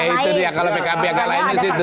itu dia kalau pkb agak lain disitu